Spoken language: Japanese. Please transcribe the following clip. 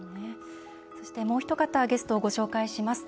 そして、もうひと方ゲストをご紹介します。